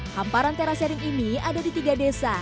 hamparan terasering ini ada di tiga desa